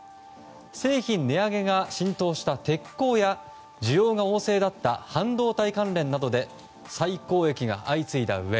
製品値上げが浸透した鉄鋼や需要が旺盛だった半導体関連などで最高益が相次いだうえ